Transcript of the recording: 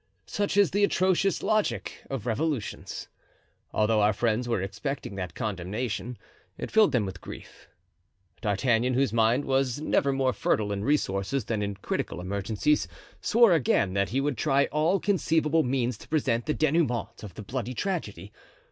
Such is the atrocious logic of revolutions. Although our friends were expecting that condemnation, it filled them with grief. D'Artagnan, whose mind was never more fertile in resources than in critical emergencies, swore again that he would try all conceivable means to prevent the dénouement of the bloody tragedy.